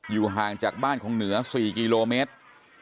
ห่างจากบ้านของเหนือ๔กิโลเมตร